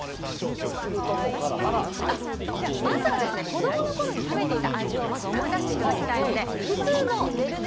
まずは、子供の頃に食べていた味を思い出していただきたいので普通のねるね